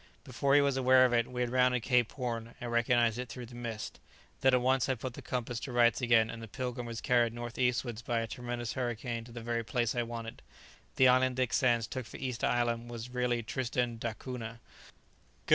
Before he was aware of it, we had rounded Cape Horn; I recognized it through the mist. Then at once I put the compass to rights again, and the 'Pilgrim' was carried north eastwards by a tremendous hurricane to the very place I wanted. The island Dick Sands took for Easter Island was really Tristan d'Acunha." "Good!"